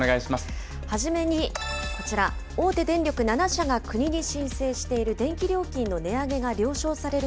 初めにこちら、大手電力７社が国に申請している電気料金の値上げが了承される